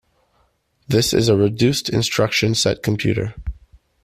This is a reduced instruction set computer.